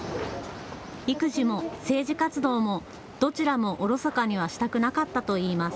育児も政治活動もどちらもおろそかにはしたくなかったといいます。